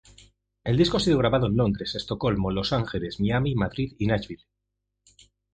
El disco ha sido grabado en Londres, Estocolmo, Los Ángeles, Miami, Madrid y Nashville.